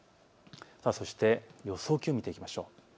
そして予想気温を見ていきましょう。